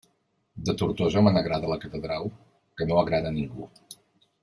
De Tortosa me n'agrada la catedral, que no agrada a ningú!